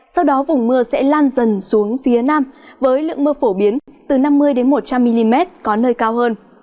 sau đó vùng mưa sẽ lan dần xuống phía nam với lượng mưa phổ biến từ năm mươi một trăm linh mm có nơi cao hơn